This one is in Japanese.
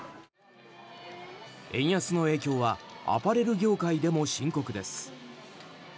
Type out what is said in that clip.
円安の影響はアパレル業界でも深刻です。